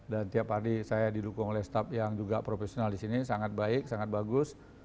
tiap hari saya didukung oleh staff yang juga profesional di sini sangat baik sangat bagus